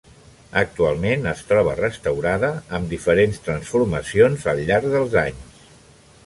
Actualment es troba restaurada, amb diferents transformacions al llarg dels anys.